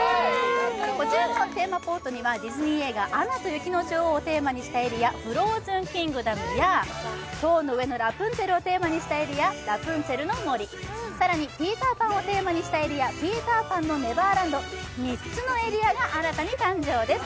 こちらのテーマポートにはディズニー映画「アナと雪の女王」のフローズンキングダムや「塔の上のラプンツェル」をテーマにしたエリアラプンツェルの森、更に「ピーター・パン」をテーマにしたエリアピーターパンのネバーランド、３つのエリアが新たに誕生です。